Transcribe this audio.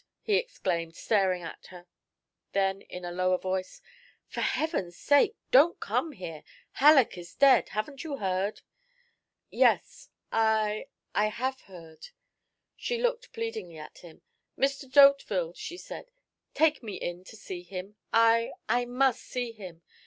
he exclaimed, staring at her; then, in a lower voice: "For Heaven's sake, don't come here. Halleck is dead. Haven't you heard?" "Yes, I I have heard." She looked pleadingly at him. "Mr. D'Hauteville," she said, "take me in to see him. I I must see him.